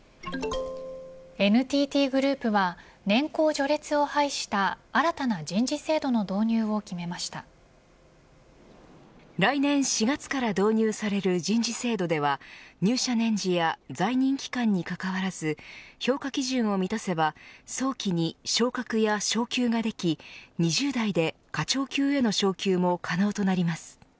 ＮＴＴグループは年功序列を廃した新たな来年４月から導入される人事制度では入社年次や在任期間にかかわらず評価基準を満たせば、早期に昇格や昇給ができ２０代で課長級への昇級も可能となります。